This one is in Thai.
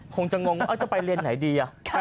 คงจะงงว่าจะไปเรียนไหนดี